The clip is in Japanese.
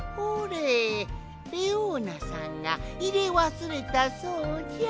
レオーナさんがいれわすれたそうじゃ。